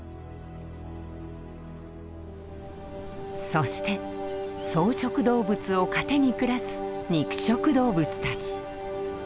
そして草食動物を糧に暮らす肉食動物たち。